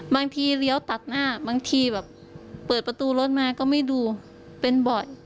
เลี้ยวตัดหน้าบางทีแบบเปิดประตูรถมาก็ไม่ดูเป็นบ่อย